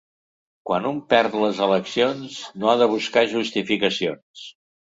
Quan un perd les eleccions no ha de buscar justificacions.